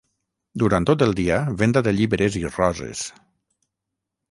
Durant tot el dia venda de llibres i roses.